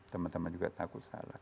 teman teman juga takut salah